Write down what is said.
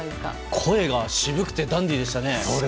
声が渋くてダンディーでしたね。